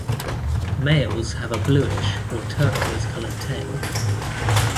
Males have a bluish or turquoise coloured tail.